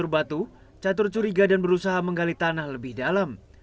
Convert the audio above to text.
catur curiga dan berusaha menggali tanah lebih dalam